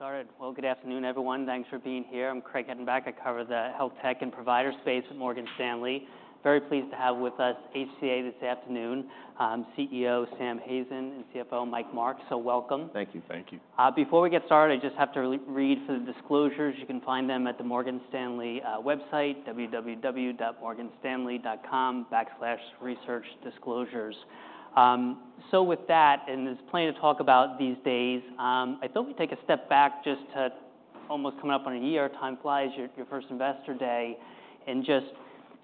All right, I think we'll get started. Good afternoon, everyone. Thanks for being here. I' m Craig Hettenbach. I cover the health tech and provider space at Morgan Stanley. Very pleased to have with us HCA this afternoon, CEO Sam Hazen and CFO Mike Marks. So, welcome. Thank you. Thank you. Before we get started, I just have to re-read for the disclosures. You can find them at the Morgan Stanley website, www.morganstanley.com/researchdisclosures. So with that, and there's plenty to talk about these days, I thought we'd take a step back just to almost coming up on a year, time flies, your first Investor Day, and just,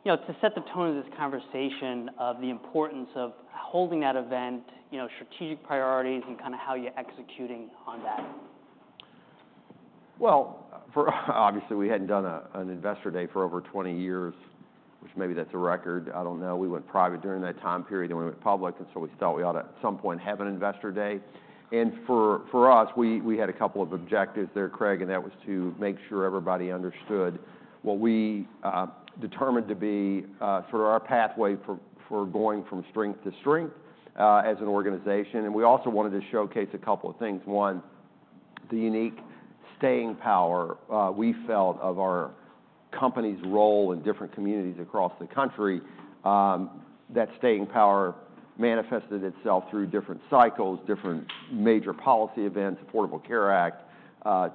you know, to set the tone of this conversation of the importance of holding that event, you know, strategic priorities, and kinda how you're executing on that. Obviously, we hadn't done an Investor Day for over 20 years, which maybe that's a record. I don't know. We went private during that time period, then we went public, and so we thought we ought to, at some point, have an Investor Day. For us, we had a couple of objectives there, Craig, and that was to make sure everybody understood what we determined to be for our pathway for going from strength to strength as an organization. We also wanted to showcase a couple of things. One, the unique staying power we felt of our company's role in different communities across the country. That staying power manifested itself through different cycles, different major policy events, Affordable Care Act,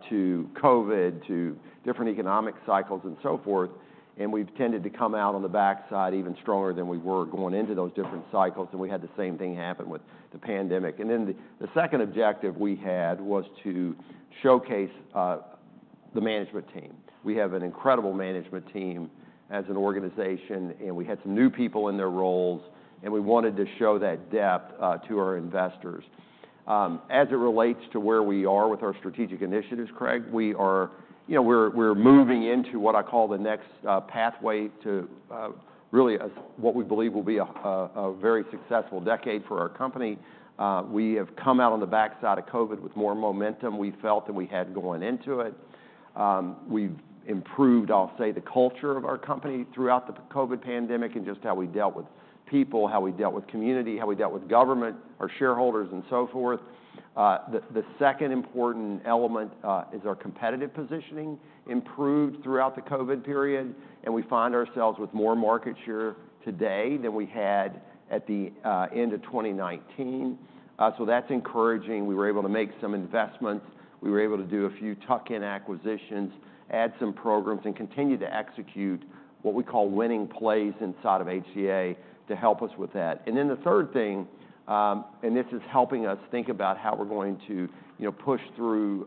to COVID, to different economic cycles, and so forth. And we've tended to come out on the backside even stronger than we were going into those different cycles, and we had the same thing happen with the pandemic. And then the second objective we had was to showcase the management team. We have an incredible management team as an organization, and we had some new people in their roles, and we wanted to show that depth to our investors. As it relates to where we are with our strategic initiatives, Craig, we are. You know, we're, we're moving into what I call the next pathway to really, as what we believe will be a very successful decade for our company. We have come out on the backside of COVID with more momentum, we felt, than we had going into it. We've improved, I'll say, the culture of our company throughout the COVID pandemic, and just how we dealt with people, how we dealt with community, how we dealt with government, our shareholders, and so forth. The second important element is our competitive positioning improved throughout the COVID period, and we find ourselves with more market share today than we had at the end of 2019. So that's encouraging. We were able to make some investments. We were able to do a few tuck-in acquisitions, add some programs, and continue to execute what we call winning plays inside of HCA to help us with that. And then the third thing, and this is helping us think about how we're going to, you know, push through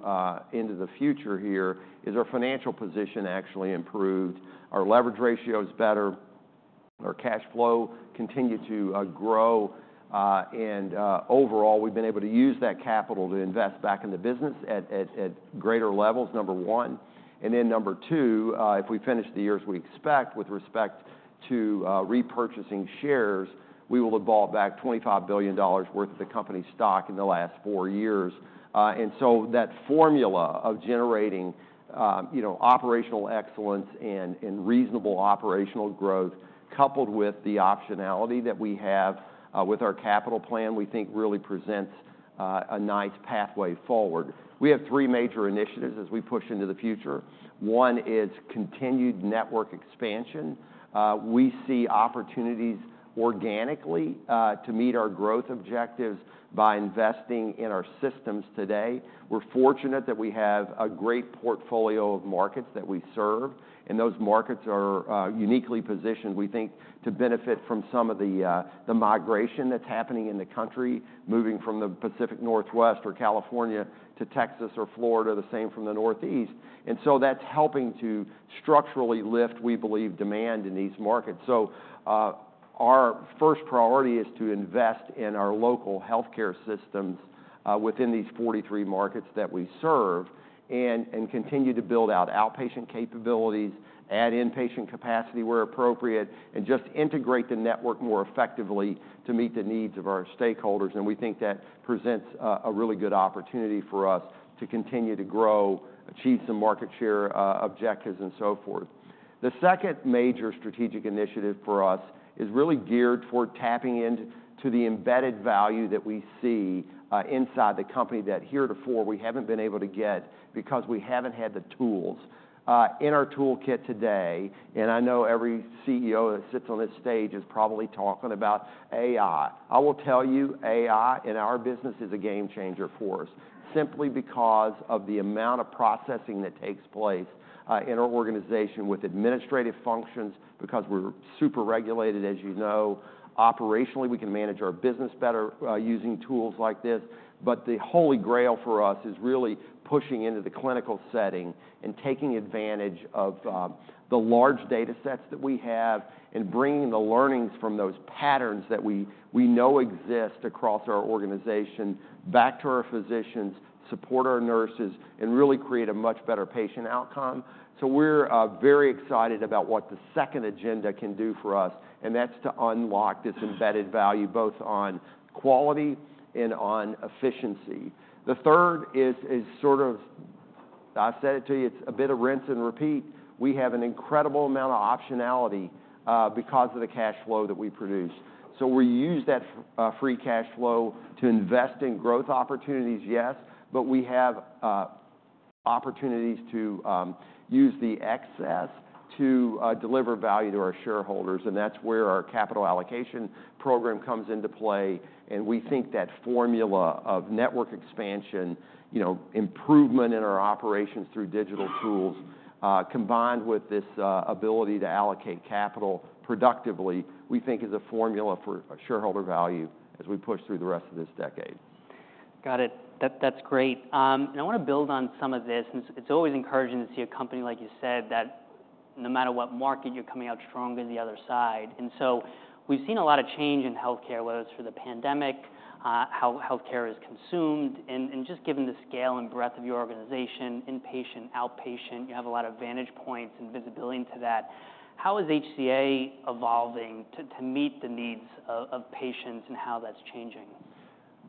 into the future here, is our financial position actually improved. Our leverage ratio is better. Our cash flow continued to grow, and overall, we've been able to use that capital to invest back in the business at greater levels, number one. And then, number two, if we finish the year as we expect with respect to repurchasing shares, we will have bought back $25 billion worth of the company's stock in the last four years. And so that formula of generating, you know, operational excellence and reasonable operational growth, coupled with the optionality that we have with our capital plan, we think really presents a nice pathway forward. We have three major initiatives as we push into the future. One, is continued network expansion. We see opportunities organically to meet our growth objectives by investing in our systems today. We're fortunate that we have a great portfolio of markets that we serve, and those markets are uniquely positioned, we think, to benefit from some of the migration that's happening in the country, moving from the Pacific Northwest or California to Texas or Florida, the same from the Northeast. And so that's helping to structurally lift, we believe, demand in these markets. So, our first priority is to invest in our local healthcare systems within these forty-three markets that we serve and continue to build out outpatient capabilities, add inpatient capacity where appropriate, and just integrate the network more effectively to meet the needs of our stakeholders, and we think that presents a really good opportunity for us to continue to grow, achieve some market share objectives, and so forth. The second major strategic initiative for us is really geared toward tapping into the embedded value that we see, inside the company that heretofore we haven't been able to get because we haven't had the tools. In our toolkit today, and I know every CEO that sits on this stage is probably talking about AI. I will tell you, AI, in our business, is a game changer for us, simply because of the amount of processing that takes place, in our organization with administrative functions, because we're super regulated, as you know. Operationally, we can manage our business better, using tools like this. But the holy grail for us is really pushing into the clinical setting and taking advantage of the large data sets that we have and bringing the learnings from those patterns that we know exist across our organization back to our physicians, support our nurses, and really create a much better patient outcome. So, we're very excited about what the second agenda can do for us, and that's to unlock this embedded value, both on quality and on efficiency. The third is sort of. I've said it to you, it's a bit of rinse and repeat. We have an incredible amount of optionality because of the cash flow that we produce. We use that free cash flow to invest in growth opportunities, yes, but we have opportunities to use the excess to deliver value to our shareholders, and that's where our capital allocation program comes into play. We think that formula of network expansion, you know, improvement in our operations through digital tools combined with this ability to allocate capital productively, we think is a formula for shareholder value as we push through the rest of this decade. Got it. That's great. And I want to build on some of this, and it's always encouraging to see a company, like you said, that no matter what market, you're coming out stronger on the other side. And so we've seen a lot of change in healthcare, whether it's through the pandemic, how healthcare is consumed, and just given the scale and breadth of your organization, inpatient, outpatient, you have a lot of vantage points and visibility into that. How is HCA evolving to meet the needs of patients and how that's changing?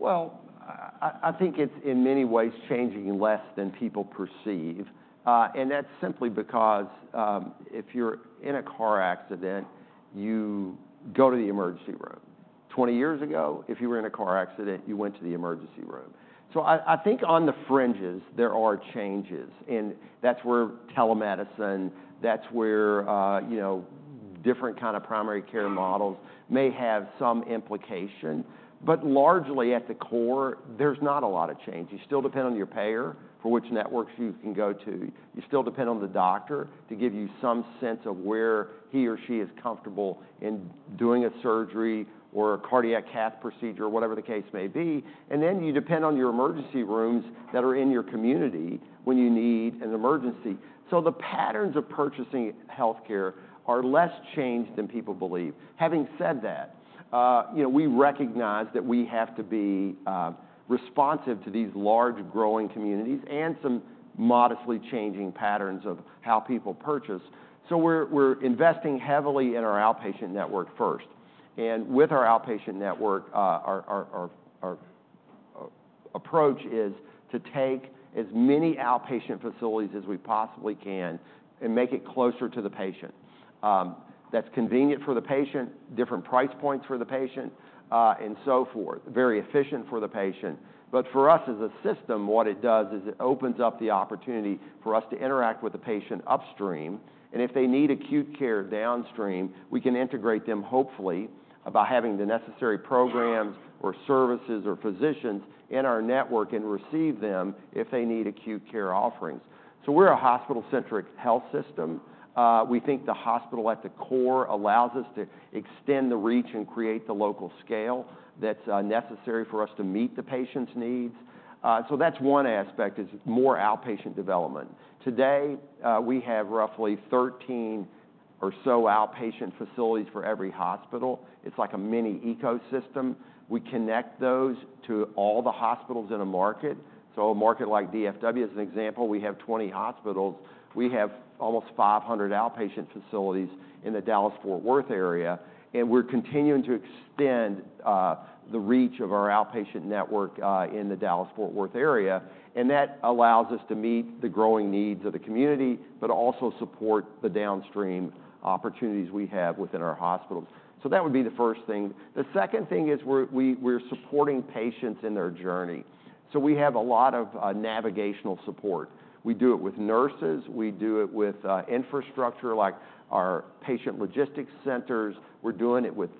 I think it's, in many ways, changing less than people perceive. That's simply because, if you're in a car accident, you go to the emergency room. Twenty years ago, if you were in a car accident, you went to the emergency room. I think on the fringes, there are changes, and that's where telemedicine, that's where, you know, different kind of primary care models may have some implication. Largely at the core, there's not a lot of change. You still depend on your payer for which networks you can go to. You still depend on the doctor to give you some sense of where he or she is comfortable in doing a surgery or a cardiac cath procedure, whatever the case may be. You depend on your emergency rooms that are in your community when you need an emergency. The patterns of purchasing healthcare are less changed than people believe. Having said that, you know, we recognize that we have to be responsive to these large, growing communities and some modestly changing patterns of how people purchase. We're investing heavily in our outpatient network first, and with our outpatient network, our approach is to take as many outpatient facilities as we possibly can and make it closer to the patient. That's convenient for the patient, different price points for the patient, and so forth. Very efficient for the patient. But for us as a system, what it does is it opens up the opportunity for us to interact with the patient upstream, and if they need acute care downstream, we can integrate them, hopefully, by having the necessary programs or services or physicians in our network and receive them if they need acute care offerings. So we're a hospital-centric health system. We think the hospital at the core allows us to extend the reach and create the local scale that's necessary for us to meet the patient's needs. So that's one aspect, is more outpatient development. Today, we have roughly 13 or so outpatient facilities for every hospital. It's like a mini ecosystem. We connect those to all the hospitals in a market. So a market like DFW, as an example, we have 20 hospitals. We have almost five hundred outpatient facilities in the Dallas-Fort Worth area, and we're continuing to extend the reach of our outpatient network in the Dallas-Fort Worth area, and that allows us to meet the growing needs of the community, but also support the downstream opportunities we have within our hospitals. So that would be the first thing. The second thing is we're supporting patients in their journey. So we have a lot of navigational support. We do it with nurses, we do it with infrastructure, like our patient logistics centers. We're doing it with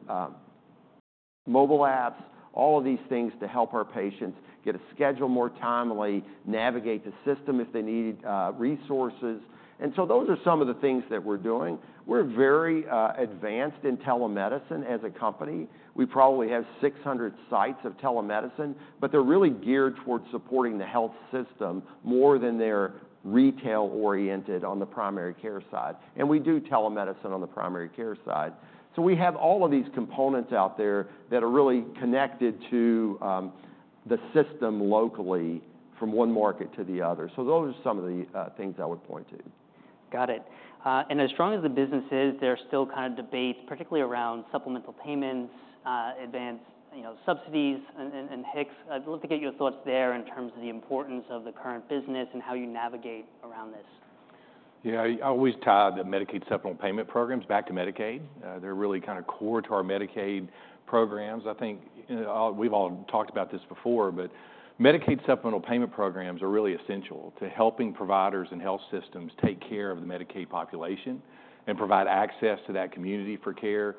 mobile apps, all of these things to help our patients get a schedule more timely, navigate the system if they need resources. And so those are some of the things that we're doing. We're very advanced in telemedicine as a company. We probably have six hundred sites of telemedicine, but they're really geared towards supporting the health system more than they're retail-oriented on the primary care side, and we do telemedicine on the primary care side. So we have all of these components out there that are really connected to the system locally from one market to the other. So those are some of the things I would point to. Got it, and as strong as the business is, there are still kind of debates, particularly around supplemental payments, advanced, you know, subsidies and HIX. I'd love to get your thoughts there in terms of the importance of the current business and how you navigate around this. Yeah, I always tie the Medicaid supplemental payment programs back to Medicaid. They're really kind of core to our Medicaid programs. I think, you know, we've all talked about this before, but Medicaid supplemental payment programs are really essential to helping providers and health systems take care of the Medicaid population and provide access to that community for care,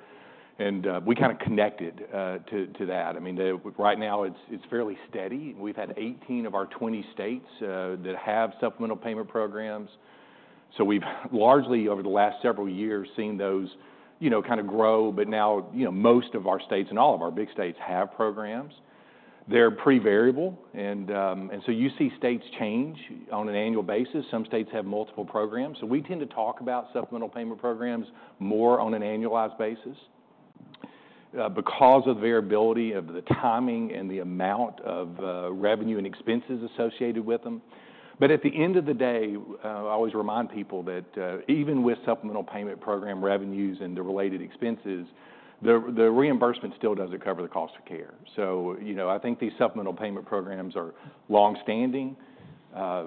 and we're kind of connected to that. I mean, right now, it's fairly steady. We've had 18 of our 20 states that have supplemental payment programs, so we've largely, over the last several years, seen those, you know, kind of grow. But now, you know, most of our states and all of our big states have programs. They're pretty variable, and so you see states change on an annual basis. Some states have multiple programs, so we tend to talk about supplemental payment programs more on an annualized basis, because of the variability of the timing and the amount of revenue and expenses associated with them. But at the end of the day, I always remind people that, even with supplemental payment program revenues and the related expenses, the reimbursement still doesn't cover the cost of care. So you know, I think these supplemental payment programs are long-standing.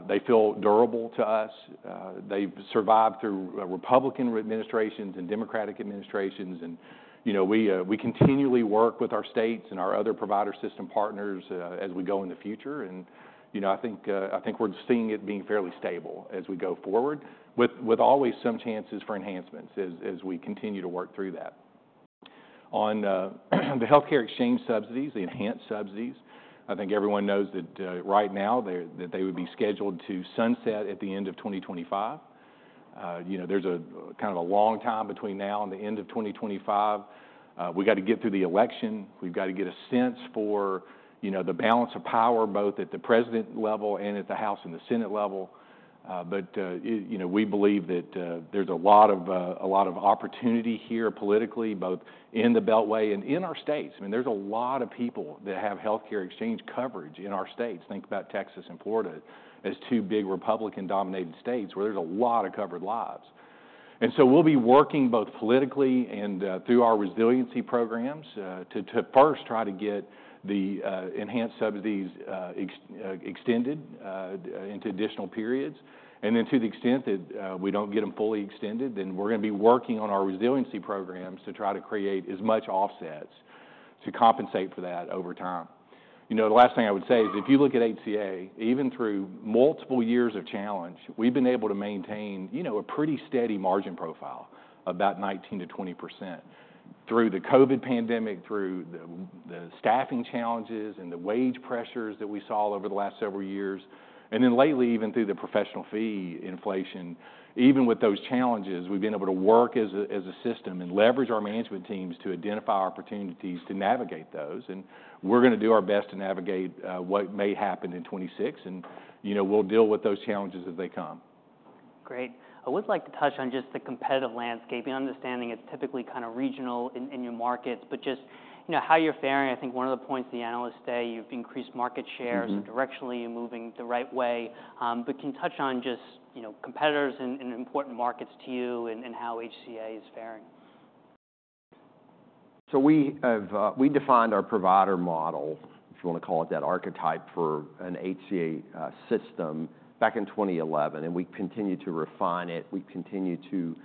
They feel durable to us. They've survived through Republican administrations and Democratic administrations, and, you know, we continually work with our states and our other provider system partners as we go in the future. And, you know, I think we're seeing it being fairly stable as we go forward, with always some chances for enhancements as we continue to work through that. On the healthcare exchange subsidies, the enhanced subsidies, I think everyone knows that right now, they would be scheduled to sunset at the end of 2025. You know, there's a kind of a long time between now and the end of 2025. We've got to get through the election. We've got to get a sense for, you know, the balance of power, both at the President level and at the House and the Senate level. But you know, we believe that there's a lot of opportunity here politically, both in the Beltway and in our states. I mean, there's a lot of people that have health insurance exchange coverage in our states. Think about Texas and Florida as two big Republican-dominated states, where there's a lot of covered lives. And so we'll be working both politically and through our resiliency programs to first try to get the enhanced subsidies extended into additional periods. And then to the extent that we don't get them fully extended, then we're going to be working on our resiliency programs to try to create as much offsets to compensate for that over time. You know, the last thing I would say is, if you look at HCA, even through multiple years of challenge, we've been able to maintain, you know, a pretty steady margin profile, about 19%-20%. Through the COVID pandemic, through the staffing challenges and the wage pressures that we saw over the last several years, and then lately, even through the professional fee inflation, even with those challenges, we've been able to work as a system and leverage our management teams to identify opportunities to navigate those. And we're going to do our best to navigate what may happen in 2026, and, you know, we'll deal with those challenges as they come. Great. I would like to touch on just the competitive landscape and understanding it's typically kind of regional in your markets, but just, you know, how you're faring. I think one of the points the analysts say, you've increased market shares- Mm-hmm. Directionally, you're moving the right way. But can you touch on just, you know, competitors and, and important markets to you and, and how HCA is faring? So we have defined our provider model, if you want to call it that, archetype for an HCA system, back in 2011, and we continue to refine it. We continue to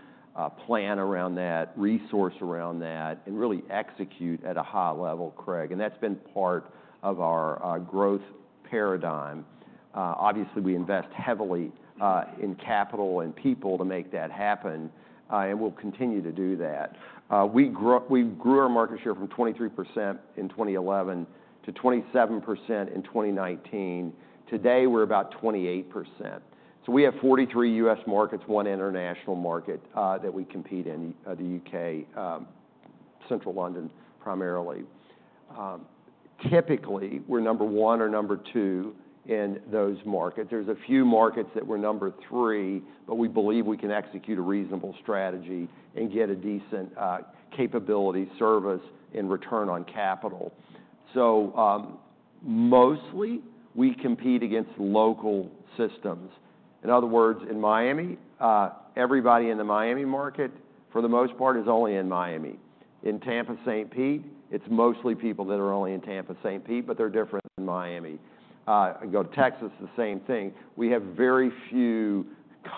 plan around that, resource around that, and really execute at a high level, Craig, and that's been part of our growth paradigm. Obviously, we invest heavily in capital and people to make that happen, and we'll continue to do that. We grew our market share from 23% in 2011 to 27% in 2019. Today, we're about 28%. So we have 43 U.S. markets, one international market that we compete in, the U.K., Central London, primarily. Typically, we're number one or number two in those markets. There's a few markets that we're number three, but we believe we can execute a reasonable strategy and get a decent capability service and return on capital. So, mostly, we compete against local systems. In other words, in Miami, everybody in the Miami market, for the most part, is only in Miami. In Tampa, St. Pete, it's mostly people that are only in Tampa, St. Pete, but they're different than Miami. You go to Texas, the same thing. We have very few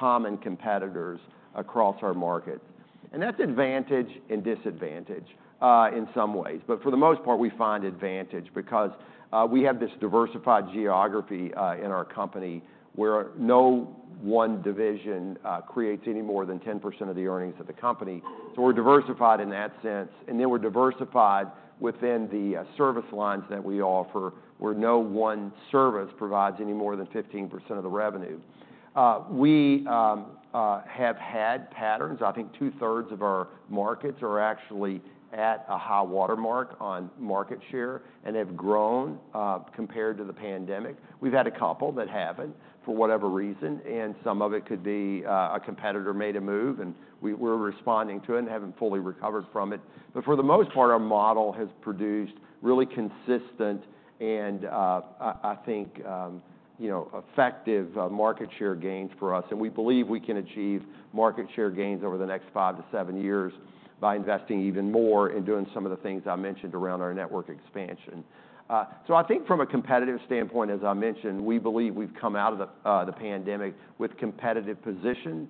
common competitors across our markets, and that's advantage and disadvantage in some ways. But for the most part, we find advantage because we have this diversified geography in our company, where no one division creates any more than 10% of the earnings of the company. We're diversified in that sense, and then we're diversified within the service lines that we offer, where no one service provides any more than 15% of the revenue. We have had patterns. I think two-thirds of our markets are actually at a high water mark on market share and have grown compared to the pandemic. We've had a couple that haven't, for whatever reason, and some of it could be a competitor made a move, and we're responding to it and haven't fully recovered from it. But for the most part, our model has produced really consistent and I think you know, effective market share gains for us. And we believe we can achieve market share gains over the next five to seven years by investing even more in doing some of the things I mentioned around our network expansion. So I think from a competitive standpoint, as I mentioned, we believe we've come out of the pandemic with competitive position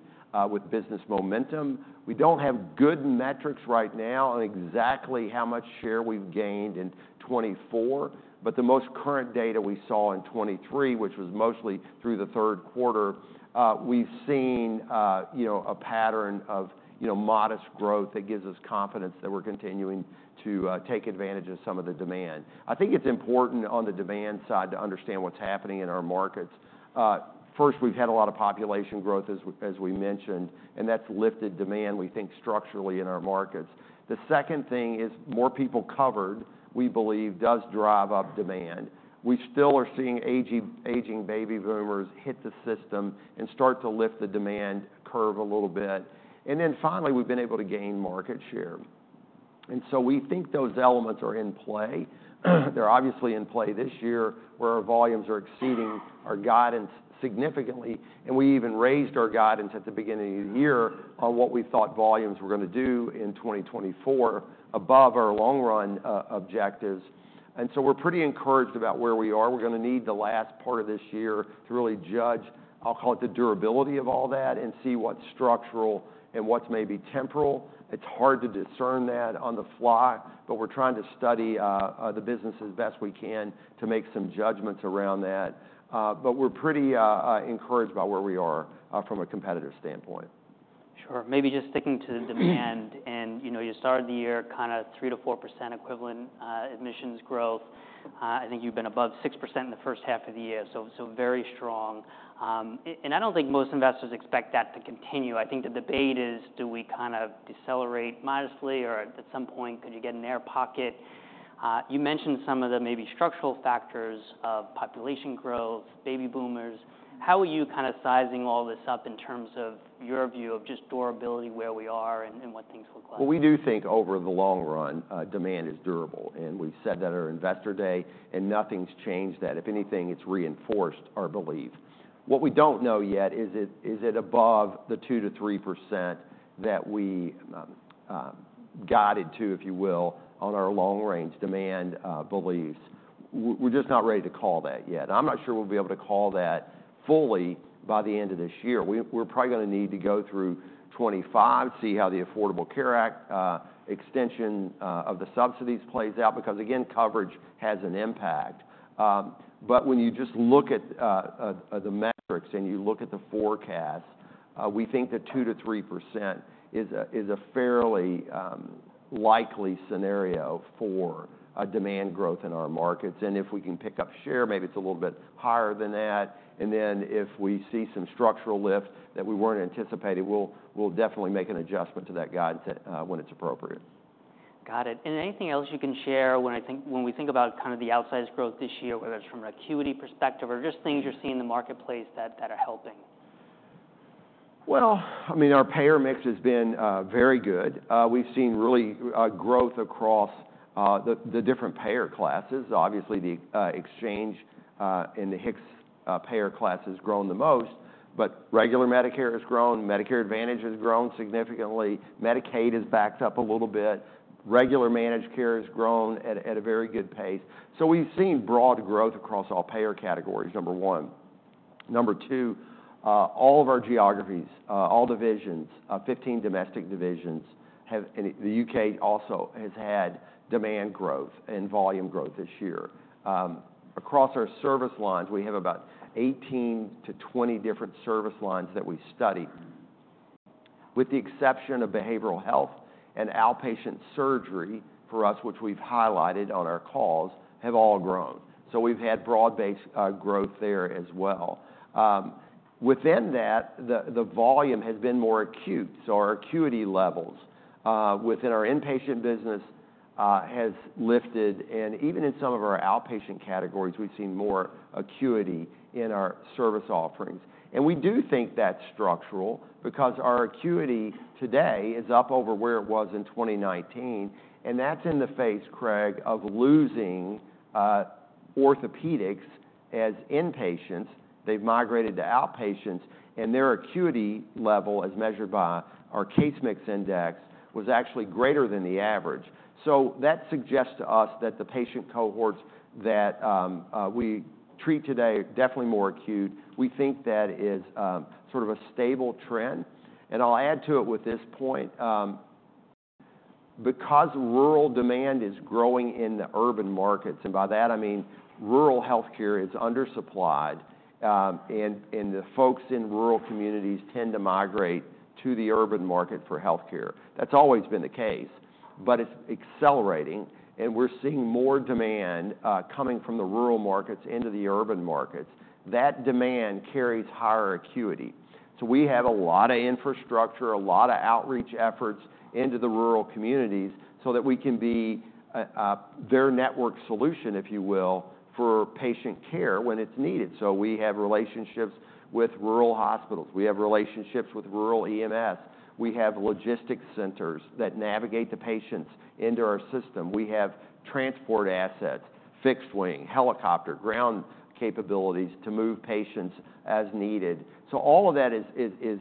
with business momentum. We don't have good metrics right now on exactly how much share we've gained in 2024, but the most current data we saw in 2023, which was mostly through the third quarter, we've seen you know, a pattern of you know, modest growth that gives us confidence that we're continuing to take advantage of some of the demand. I think it's important on the demand side to understand what's happening in our markets. First, we've had a lot of population growth, as we mentioned, and that's lifted demand, we think, structurally in our markets. The second thing is more people covered, we believe, does drive up demand. We still are seeing aging baby boomers hit the system and start to lift the demand curve a little bit, and then finally, we've been able to gain market share, and so we think those elements are in play. They're obviously in play this year, where our volumes are exceeding our guidance significantly, and we even raised our guidance at the beginning of the year on what we thought volumes were going to do in 2024, above our long-run objectives, and so we're pretty encouraged about where we are. We're going to need the last part of this year to really judge, I'll call it, the durability of all that, and see what's structural and what's maybe temporal. It's hard to discern that on the fly, but we're trying to study the business as best we can to make some judgments around that, but we're pretty encouraged about where we are from a competitive standpoint. Sure. Maybe just sticking to the demand, and, you know, you started the year kind of 3%-4% equivalent admissions growth. I think you've been above 6% in the first half of the year, so very strong. And I don't think most investors expect that to continue. I think the debate is: Do we kind of decelerate modestly, or at some point, could you get an air pocket? You mentioned some of the maybe structural factors of population growth, baby boomers. How are you kind of sizing all this up in terms of your view of just durability, where we are, and what things look like? We do think over the long run, demand is durable, and we've said that at our Investor Day, and nothing's changed that. If anything, it's reinforced our belief. What we don't know yet is it is it above the 2%-3% that we guided to, if you will, on our long-range demand beliefs. We're just not ready to call that yet. I'm not sure we'll be able to call that fully by the end of this year. We're probably going to need to go through 2025, see how the Affordable Care Act extension of the subsidies plays out, because, again, coverage has an impact. But when you just look at the metrics and you look at the forecast, we think that 2%-3% is a fairly likely scenario for a demand growth in our markets. And if we can pick up share, maybe it's a little bit higher than that. And then, if we see some structural lift that we weren't anticipating, we'll definitely make an adjustment to that guidance when it's appropriate. Got it. And anything else you can share when I think, when we think about kind of the outsized growth this year, whether it's from an acuity perspective or just things you're seeing in the marketplace that, that are helping? Well, I mean, our payer mix has been very good. We've seen really growth across the different payer classes. Obviously, the exchange and the HIX payer class has grown the most, but regular Medicare has grown, Medicare Advantage has grown significantly, Medicaid has backed up a little bit, regular managed care has grown at a very good pace. So we've seen broad growth across all payer categories, number one. Number two, all of our geographies, all divisions, 15 domestic divisions, have and the UK also, has had demand growth and volume growth this year. Across our service lines, we have about 18-20 different service lines that we study. With the exception of behavioral health and outpatient surgery for us, which we've highlighted on our calls, have all grown. So we've had broad-based growth there as well. Within that, the volume has been more acute, so our acuity levels within our inpatient business has lifted, and even in some of our outpatient categories, we've seen more acuity in our service offerings. And we do think that's structural, because our acuity today is up over where it was in 2019, and that's in the face, Craig, of losing orthopedics as inpatients. They've migrated to outpatients, and their acuity level, as measured by our case mix index, was actually greater than the average. So that suggests to us that the patient cohorts that we treat today are definitely more acute. We think that is sort of a stable trend. I'll add to it with this point, because rural demand is growing in the urban markets, and by that I mean rural healthcare is undersupplied, and the folks in rural communities tend to migrate to the urban market for healthcare. That's always been the case, but it's accelerating, and we're seeing more demand, coming from the rural markets into the urban markets. That demand carries higher acuity. We have a lot of infrastructure, a lot of outreach efforts into the rural communities so that we can be their network solution, if you will, for patient care when it's needed. We have relationships with rural hospitals. We have relationships with rural EMS. We have logistics centers that navigate the patients into our system. We have transport assets, fixed wing, helicopter, ground capabilities to move patients as needed. So all of that is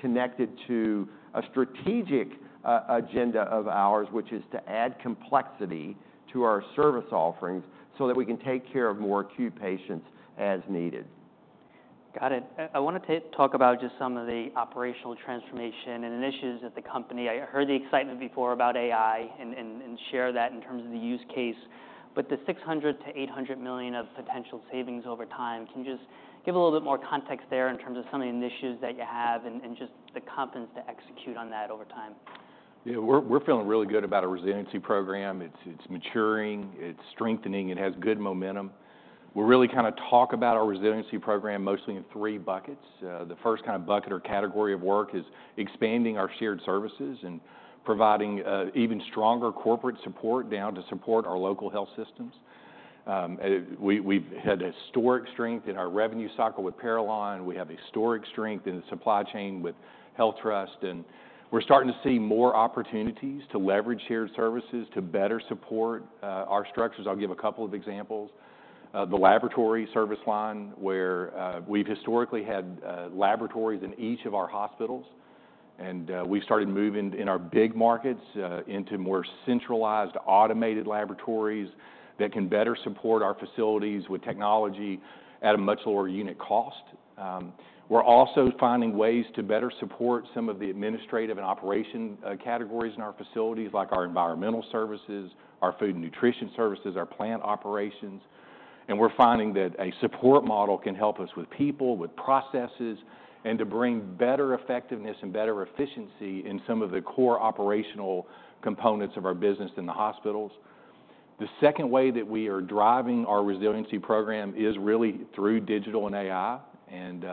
connected to a strategic agenda of ours, which is to add complexity to our service offerings so that we can take care of more acute patients as needed. Got it. I wanted to talk about just some of the operational transformation and initiatives at the company. I heard the excitement before about AI and share that in terms of the use case, but the $600 million-$800 million of potential savings over time, can you just give a little bit more context there in terms of some of the initiatives that you have and just the confidence to execute on that over time? Yeah, we're feeling really good about our Resiliency Program. It's maturing, it's strengthening, it has good momentum. We really kind of talk about our Resiliency Program mostly in three buckets. The first kind of bucket or category of work is expanding our shared services and providing even stronger corporate support down to support our local health systems. And we, we've had historic strength in our revenue cycle with Parallon. We have historic strength in the supply chain with HealthTrust, and we're starting to see more opportunities to leverage shared services to better support our structures. I'll give a couple of examples. The laboratory service line, where we've historically had laboratories in each of our hospitals, and we've started moving in our big markets into more centralized, automated laboratories that can better support our facilities with technology at a much lower unit cost. We're also finding ways to better support some of the administrative and operation categories in our facilities, like our environmental services, our food and nutrition services, our plant operations, and we're finding that a support model can help us with people, with processes, and to bring better effectiveness and better efficiency in some of the core operational components of our business in the hospitals. The second way that we are driving our resiliency program is really through digital and AI, and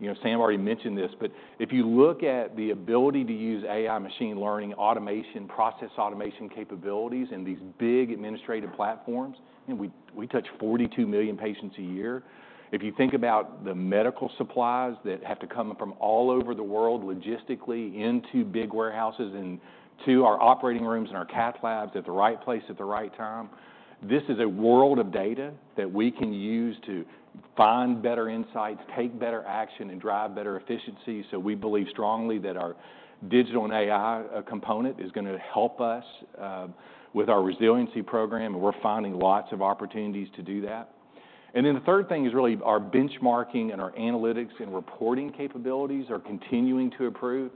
you know, Sam already mentioned this, but if you look at the ability to use AI machine learning, automation, process automation capabilities in these big administrative platforms, and we touch 42 million patients a year. If you think about the medical supplies that have to come from all over the world, logistically, into big warehouses and to our operating rooms and our cath labs at the right place, at the right time, this is a world of data that we can use to find better insights, take better action, and drive better efficiency. So we believe strongly that our digital and AI component is gonna help us with our resiliency program, and we're finding lots of opportunities to do that. And then, the third thing is really our benchmarking and our analytics and reporting capabilities are continuing to improve.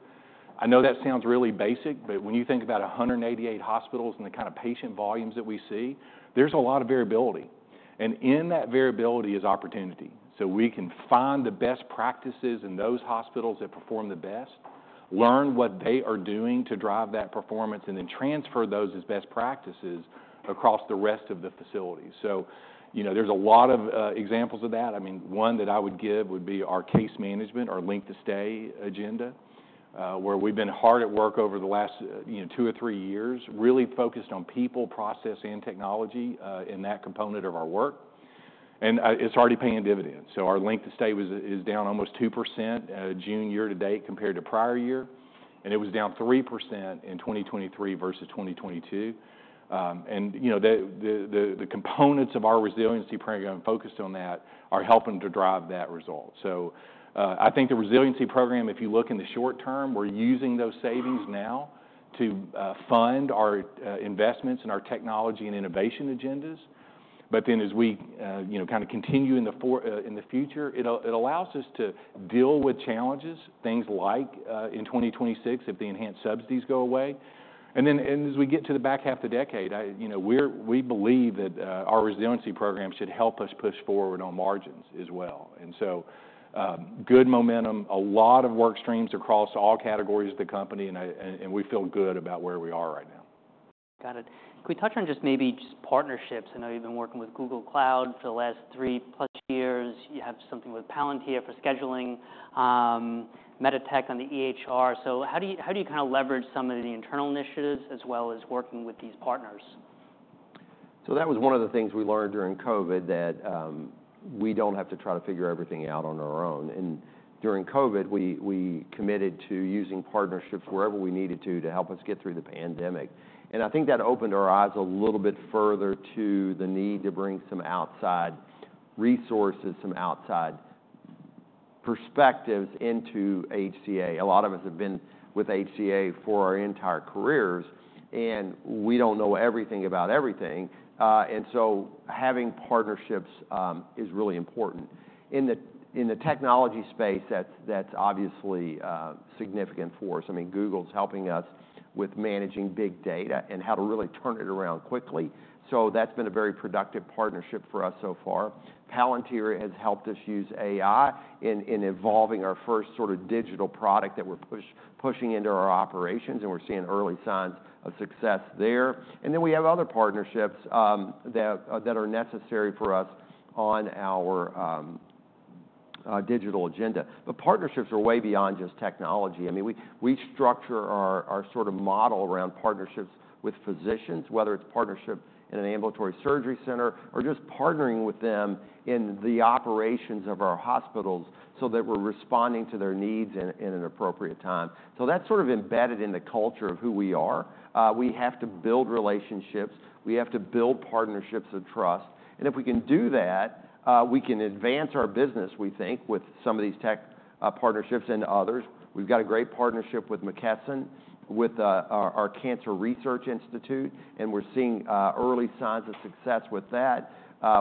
I know that sounds really basic, but when you think about 188 hospitals and the kind of patient volumes that we see, there's a lot of variability, and in that variability is opportunity. We can find the best practices in those hospitals that perform the best, learn what they are doing to drive that performance, and then transfer those as best practices across the rest of the facilities. So, you know, there's a lot of examples of that. I mean, one that I would give would be our case management, our length of stay agenda, where we've been hard at work over the last, you know, two or three years, really focused on people, process, and technology, in that component of our work, and it's already paying dividends. So our length of stay is down almost 2%, June year to date, compared to prior year, and it was down 3% in 2023 versus 2022. And, you know, the components of our Resiliency Program focused on that are helping to drive that result. So, I think the Resiliency Program, if you look in the short term, we're using those savings now to fund our investments and our technology and innovation agendas. But then, as we, you know, kind of continue in the future, it allows us to deal with challenges, things like in 2026, if the enhanced subsidies go away. And then, as we get to the back half of the decade, you know, we believe that our Resiliency Program should help us push forward on margins as well. And so, good momentum, a lot of work streams across all categories of the company, and we feel good about where we are right now. Got it. Can we touch on just maybe just partnerships? I know you've been working with Google Cloud for the 3+ years. You have something with Palantir for scheduling, Meditech on the EHR. So how do you kind of leverage some of the internal initiatives as well as working with these partners? That was one of the things we learned during COVID, that we don't have to try to figure everything out on our own. During COVID, we committed to using partnerships wherever we needed to, to help us get through the pandemic. And I think that opened our eyes a little bit further to the need to bring some outside resources, some outside perspectives into HCA. A lot of us have been with HCA for our entire careers, and we don't know everything about everything, and so having partnerships is really important. In the technology space, that's obviously a significant force. I mean, Google's helping us with managing big data and how to really turn it around quickly, so that's been a very productive partnership for us so far. Palantir has helped us use AI in evolving our first sort of digital product that we're pushing into our operations, and we're seeing early signs of success there. And then, we have other partnerships that are necessary for us on our digital agenda. But partnerships are way beyond just technology. I mean, we structure our sort of model around partnerships with physicians, whether it's partnership in an ambulatory surgery center or just partnering with them in the operations of our hospitals, so that we're responding to their needs in an appropriate time. So that's sort of embedded in the culture of who we are. We have to build relationships, we have to build partnerships of trust, and if we can do that, we can advance our business, we think, with some of these tech partnerships and others. We've got a great partnership with McKesson, with our cancer research institute, and we're seeing early signs of success with that.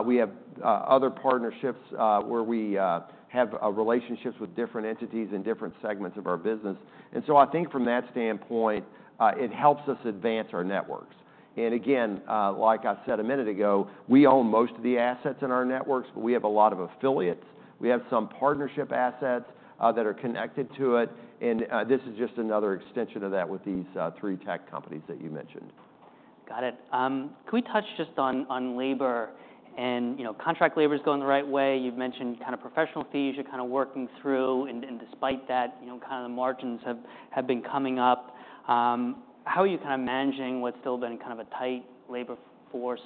We have other partnerships where we have relationships with different entities in different segments of our business. And so I think from that standpoint, it helps us advance our networks. And again, like I said a minute ago, we own most of the assets in our networks, but we have a lot of affiliates. We have some partnership assets that are connected to it, and this is just another extension of that with these three tech companies that you mentioned. Got it. Can we touch just on labor, and you know, contract labor is going the right way. You've mentioned kind of professional fees you're kind of working through, and despite that, you know, kind of the margins have been coming up. How are you kind of managing what's still been kind of a tight labor force,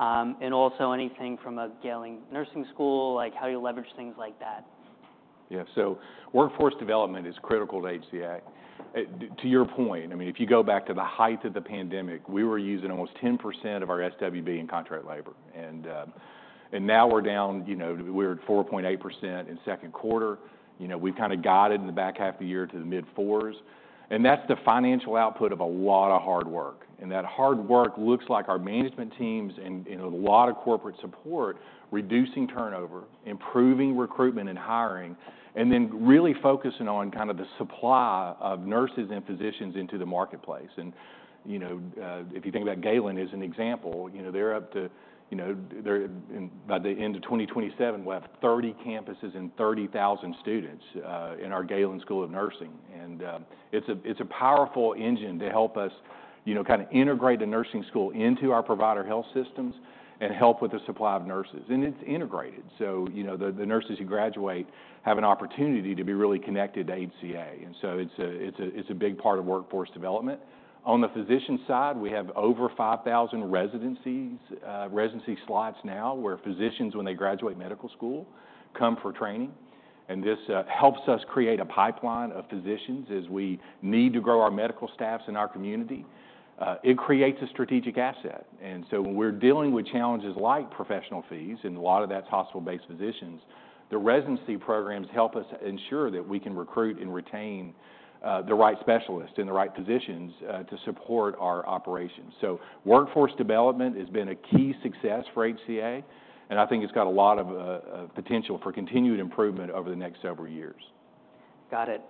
and also anything from a Galen Nursing School, like how you leverage things like that? Yeah, so workforce development is critical to HCA. To your point, I mean, if you go back to the height of the pandemic, we were using almost 10% of our SWB in contract labor, and now we're down, you know, we're at 4.8% in second quarter. You know, we've kind of guided in the back half of the year to the mid-fours, and that's the financial output of a lot of hard work. That hard work looks like our management teams and a lot of corporate support, reducing turnover, improving recruitment and hiring, and then really focusing on kind of the supply of nurses and physicians into the marketplace. And, you know, if you think about Galen as an example, you know, they're up to, you know, and by the end of 2027, we'll have 30 campuses and 30,000 students in our Galen School of Nursing. And, it's a powerful engine to help us, you know, kind of integrate the nursing school into our provider health systems and help with the supply of nurses. And it's integrated, so, you know, the nurses who graduate have an opportunity to be really connected to HCA, and so it's a big part of workforce development. On the physician side, we have over 5,000 residency slots now, where physicians, when they graduate medical school, come for training. And this helps us create a pipeline of physicians as we need to grow our medical staffs in our community. It creates a strategic asset. And so when we're dealing with challenges like professional fees, and a lot of that's hospital-based physicians, the residency programs help us ensure that we can recruit and retain the right specialists in the right positions to support our operations. So workforce development has been a key success for HCA, and I think it's got a lot of potential for continued improvement over the next several years. Got it.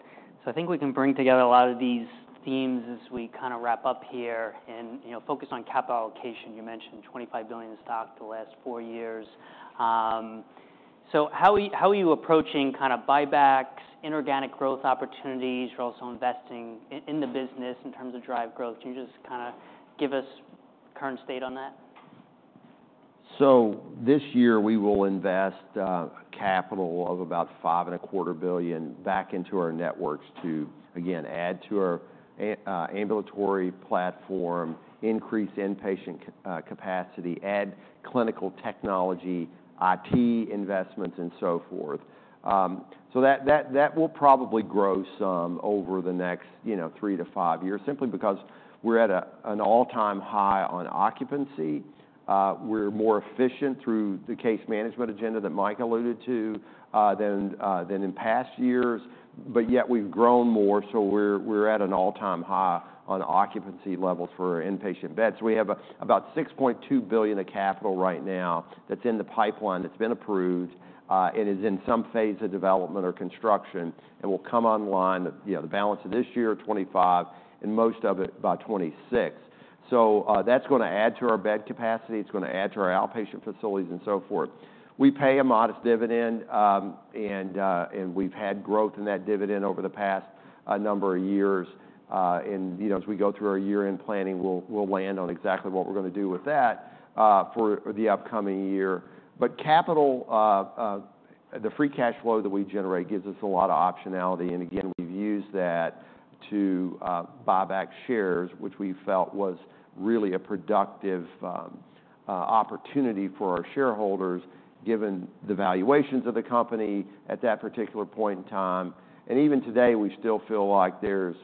So I think we can bring together a lot of these themes as we kind of wrap up here and, you know, focus on capital allocation. You mentioned $25 billion in stock the last four years. So how are you approaching kind of buybacks, inorganic growth opportunities? You're also investing in the business in terms of drive growth. Can you just kinda give us current state on that? So this year, we will invest capital of about $5.25 billion back into our networks to, again, add to our ambulatory platform, increase inpatient capacity, add clinical technology, IT investments, and so forth. So that will probably grow some over the next, you know, three to five years, simply because we're at an all-time high on occupancy. We're more efficient through the case management agenda that Mike alluded to than in past years, but yet we've grown more, so we're at an all-time high on occupancy levels for our inpatient beds. We have about $6.2 billion of capital right now that's in the pipeline, that's been approved and is in some phase of development or construction, and will come online, you know, the balance of this year, 2025, and most of it by 2026. That's gonna add to our bed capacity, it's gonna add to our outpatient facilities, and so forth. We pay a modest dividend and we've had growth in that dividend over the past number of years. And, you know, as we go through our year-end planning, we'll land on exactly what we're gonna do with that for the upcoming year. But capital, the free cash flow that we generate gives us a lot of optionality, and again, we've used that to buy back shares, which we felt was really a productive opportunity for our shareholders, given the valuations of the company at that particular point in time. And even today, we still feel like there's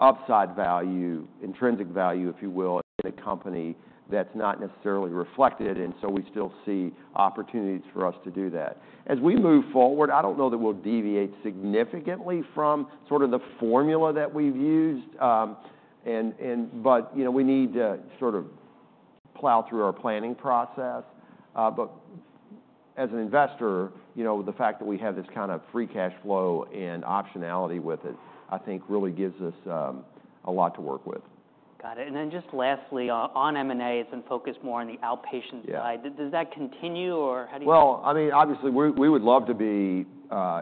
upside value, intrinsic value, if you will, in the company that's not necessarily reflected, and so we still see opportunities for us to do that. As we move forward, I don't know that we'll deviate significantly from sort of the formula that we've used, and but, you know, we need to sort of plow through our planning process. But as an investor, you know, the fact that we have this kind of free cash flow and optionality with it, I think really gives us a lot to work with. Got it. And then just lastly, on M&As and focus more on the outpatient side- Yeah. Does that continue, or how do you- I mean, obviously, we would love to be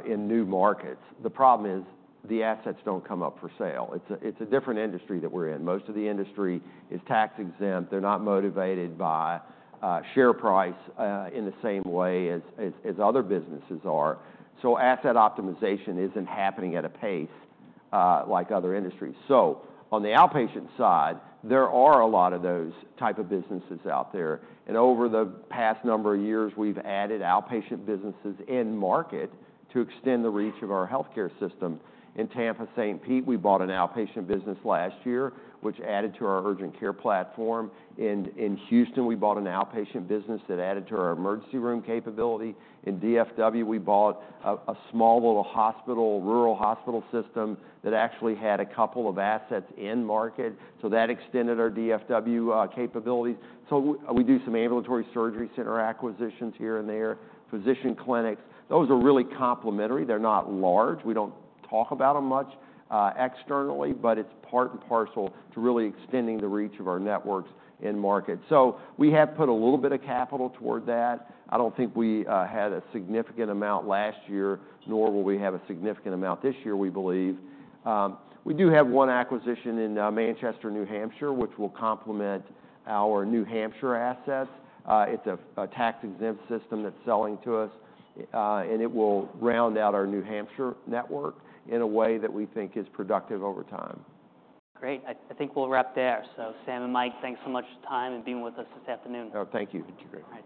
in new markets. The problem is, the assets don't come up for sale. It's a different industry that we're in. Most of the industry is tax-exempt. They're not motivated by share price in the same way as other businesses are. So asset optimization isn't happening at a pace like other industries. So on the outpatient side, there are a lot of those type of businesses out there, and over the past number of years, we've added outpatient businesses in-market to extend the reach of our healthcare system. In Tampa, St. Pete, we bought an outpatient business last year, which added to our urgent care platform, and in Houston, we bought an outpatient business that added to our emergency room capability. In DFW, we bought a small little hospital, rural hospital system that actually had a couple of assets in-market, so that extended our DFW capabilities. So we do some ambulatory surgery center acquisitions here and there, physician clinics. Those are really complementary, they're not large. We don't talk about them much externally, but it's part and parcel to really extending the reach of our networks in-market. So we have put a little bit of capital toward that. I don't think we had a significant amount last year, nor will we have a significant amount this year, we believe. We do have one acquisition in Manchester, New Hampshire, which will complement our New Hampshire assets. It's a tax-exempt system that's selling to us, and it will round out our New Hampshire network in a way that we think is productive over time. Great. I think we'll wrap there. So Sam and Mike, thanks so much for your time and being with us this afternoon. Oh, thank you. It's great.